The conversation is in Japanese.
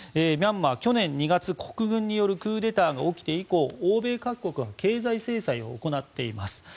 ミャンマー、去年２月国軍によるクーデターが起きて以降欧米各国は経済制裁を行っています。